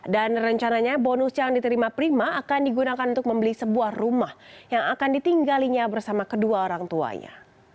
dan rencananya bonus yang diterima prima akan digunakan untuk membeli sebuah rumah yang akan ditinggalinya bersama kedua orang tuanya